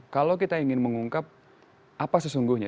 kalau kita ingin mengungkap apa sesungguhnya